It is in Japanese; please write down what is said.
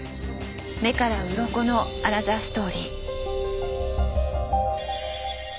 目からうろこのアナザーストーリー。